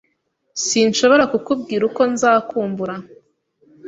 Sinshobora kukubwira uko nzakumbura .